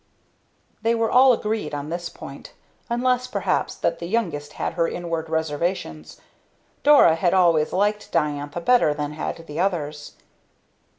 They were all agreed on this point, unless perhaps that the youngest had her inward reservations. Dora had always liked Diantha better than had the others.